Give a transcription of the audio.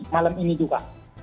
malam ini juga